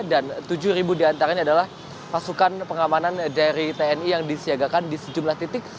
dan tujuh diantaranya adalah pasukan pengamanan dari tni yang disiagakan di sejumlah titik